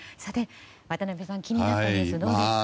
渡辺さん、気になったニュースどうですか？